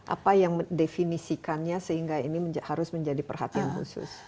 apa yang mendefinisikannya sehingga ini harus menjadi perhatian khusus